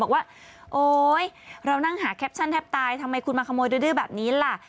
บอกว่าโอ๊ยเรานั่งหาแคปชั่นแทบตายทำไมคุณมาขโมยดื้อแบบนี้ล่ะ